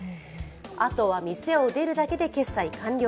あとは店を出るだけで決済完了。